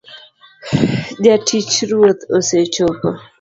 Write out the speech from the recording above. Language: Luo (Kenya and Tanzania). Jatich ruoth osechopo